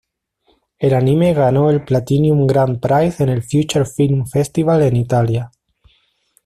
El anime ganó el Platinum Grand Prize en el Future Film festival en Italia.